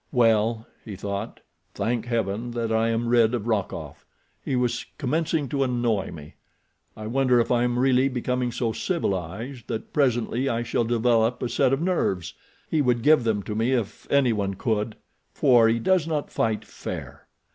"Well," he thought, "thank Heaven that I am rid of Rokoff. He was commencing to annoy me. I wonder if I am really becoming so civilized that presently I shall develop a set of nerves. He would give them to me if any one could, for he does not fight fair.